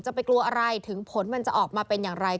ไปกลัวอะไรถึงผลมันจะออกมาเป็นอย่างไร